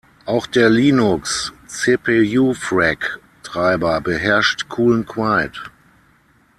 Auch der Linux-"cpufreq"-Treiber beherrscht Cool’n’Quiet.